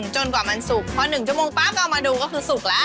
จนกว่ามันสุกพอ๑ชั่วโมงปั๊บเอามาดูก็คือสุกแล้ว